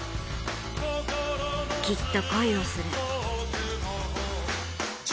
きっと恋をする。